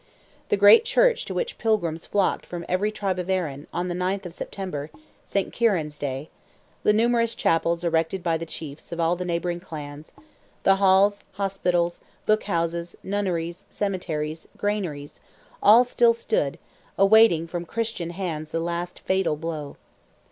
The great Church to which pilgrims flocked from every tribe of Erin, on the 9th of September—St. Kieran's Day; the numerous chapels erected by the chiefs of all the neighbouring clans; the halls, hospitals, book houses, nunneries, cemeteries, granaries—all still stood, awaiting from Christian hands the last fatal blow.